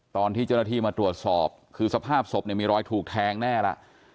ตอนที่เจ้าหน้าที่มาตรวจสอบคือสภาพศพเนี่ยมีรอยถูกแทงแน่แล้ว